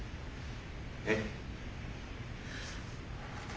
えっ。